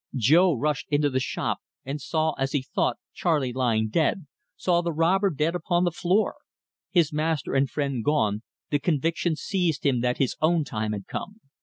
Jo rushed into the shop, and saw, as he thought, Charley lying dead saw the robber dead upon the floor. His master and friend gone, the conviction seized him that his own time had come.